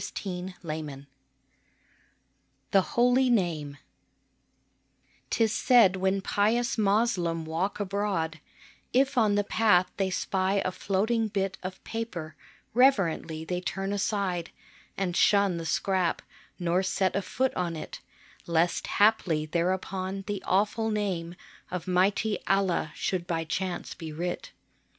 20 THE HOLY NAME THE HOLY NAME V^| ^ IS said when pious Moslem walk abroad, If on the path they spy a floating bit Of paper, reverently they turn aside And shun the scrap, nor set a foot on it, Lest haply thereupon the awful name Of mighty Allah should by chance be writ.